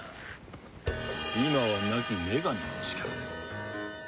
今は亡き女神の力で。